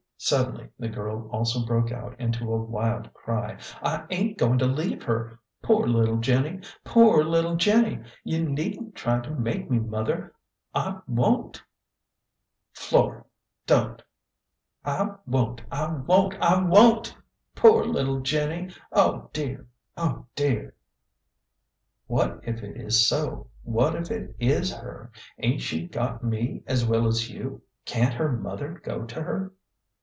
Suddenly the girl also broke out into a wild cry. " I ain't going to leave her. Poor little Jenny ! poor little Jenny ! You needn't try to make me, mother ; I won't !"" Flora, don't !"" I won't ! I won't ! I won't ! Poor little Jenny ! Oh, dear ! oh, dear !" "What if it is so? What if it is her? Ain't she got me as well as you ? Can't her mother go to her